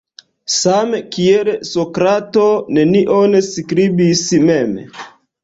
Same kiel Sokrato nenion skribis mem.